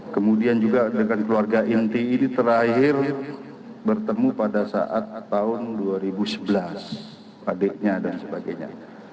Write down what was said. kemudian juga dengan keluarga inti ini terakhir bertemu pada saat tahun dua ribu sebelas adiknya dan sebagainya